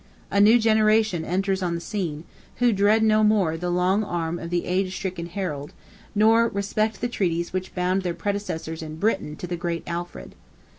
A new generation enters on the scene, who dread no more the long arm of the age stricken Harold, nor respect the treaties which bound their predecessors in Britain to the great Alfred.